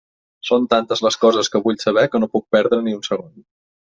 Són tantes les coses que vull saber que no puc perdre ni un segon.